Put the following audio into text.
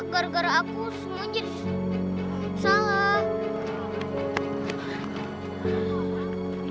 gara gara aku semuanya jadi salah